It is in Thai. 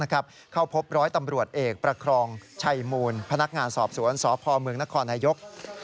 เข้าพบร้อยตำรวจเอกประครองชัยมูลพนักงานสอบสวนสพเมืองนครนายก